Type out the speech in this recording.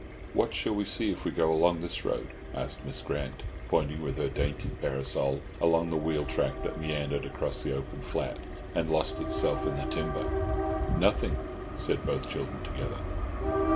"What shall we see if we go along this road?" asked Miss Grant, pointing with her dainty parasol along the wheel track that meandered across the open flat and lost itself in the timber. "Nothing," said both children together.